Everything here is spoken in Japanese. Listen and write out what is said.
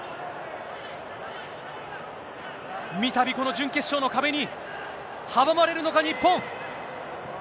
みたび、この準決勝の壁に阻まれるのか、日本。